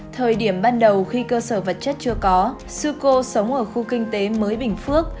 thời điểm ban đầu khi cơ sở vật chất chưa có sư cô sống ở khu kinh tế mới bình phước